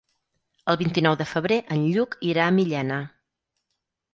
El vint-i-nou de febrer en Lluc irà a Millena.